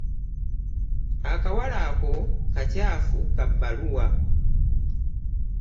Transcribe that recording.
akawala ako kakyafu ka bbaluwa.